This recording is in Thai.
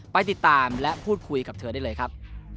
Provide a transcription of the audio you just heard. ไปติดตามและพูดคุยกับเธอได้เลยครับ